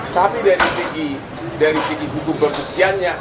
tapi dari segi hukum pembuktiannya